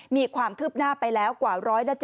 มีความคืบหน้าไปแล้วกว่า๑๗๐